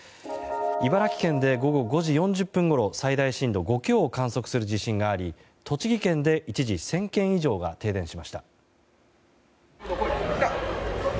茨城県で午後５時４０分ごろ最大震度５強を観測する地震があり栃木県で一時１０００軒以上が停電しました。